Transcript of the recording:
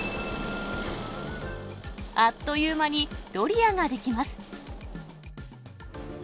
あっという間にドリアが出来ます。